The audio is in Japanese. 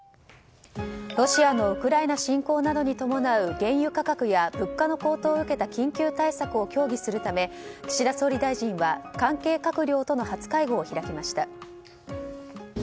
ロシアのウクライナ侵攻などに伴う原油価格や物価の高騰を受け緊急対策を協議するため岸田総理大臣は関係閣僚との初会合を開きました。